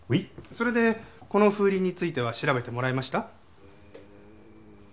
それでこの風鈴については調べてもらえました？